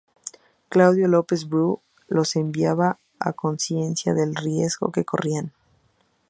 Claudio López Bru los enviaba a conciencia del riesgo que corrían.